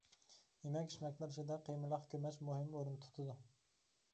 يېمەك-ئىچمەكلىرى ئىچىدە قىيمىلىق كۆمەچ مۇھىم ئورۇن تۇتىدۇ.